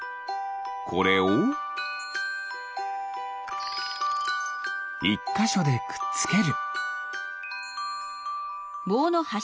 これを１かしょでくっつける。